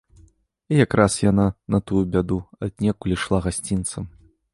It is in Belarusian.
І якраз яна, на тую бяду, аднекуль ішла гасцінцам.